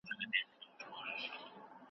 وصفونه د یو شخص پیژندګلوي کوي.